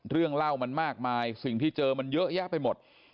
เรื่องเล่ามันมากมายสิ่งที่เจอมันเยอะแยะไปหมด